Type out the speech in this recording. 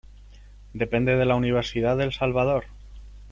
Depende de la Universidad del Salvador.